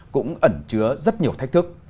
cũng ẩn chứa rất nhiều thách thức